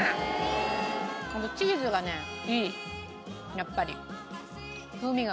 やっぱり。